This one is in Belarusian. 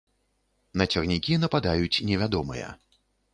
На цягнікі нападаюць невядомыя.